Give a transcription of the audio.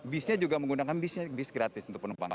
bisnya juga menggunakan bis gratis untuk penumpang